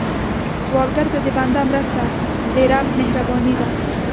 سوالګر ته د بنده مرسته، د رب مهرباني ده